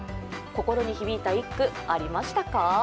心に響いた一句、ありましたか？